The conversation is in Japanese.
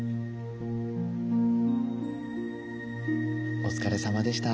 お疲れさまでした。